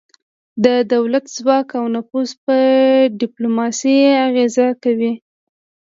د دولت ځواک او نفوذ په ډیپلوماسي اغیزه کوي